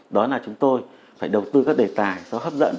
đó là chúng tôi phải đầu tư các đề tài nó hấp dẫn